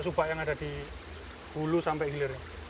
subak yang ada di hulu sampai hilir